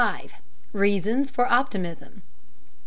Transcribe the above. REASONS FOR OPTIMISM.